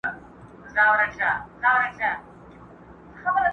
او ځينې پوښتني بې ځوابه وي تل